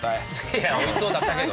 いやおいしそうだったけど。